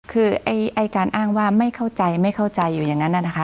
คือไอ้การอ้างว่าไม่เข้าใจไม่เข้าใจอยู่อย่างนั้นนะคะ